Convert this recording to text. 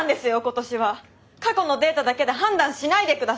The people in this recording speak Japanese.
過去のデータだけで判断しないで下さい！